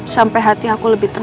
sampai hati aku lebih tenang